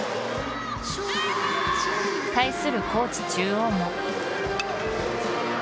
対する高知中央も。